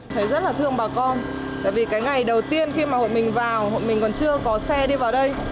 thấy rất là thương bà con tại vì cái ngày đầu tiên khi mà hội mình vào mình còn chưa có xe đi vào đây